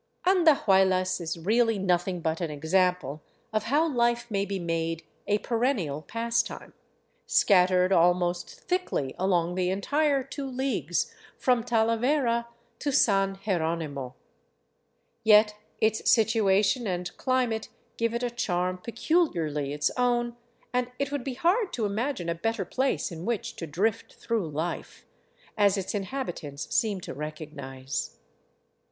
'* Andahuaylas is really nothing but an example of how life may be made a perennial pastime, scattered almost thickly along the entire two leagues from Talavera to San Jeronimo. Yet its situation and climate give it a charm peculiarly its own, and it would be hard to imagine a better place in which to drift through Hf e — as its inhabitants seem to recognize.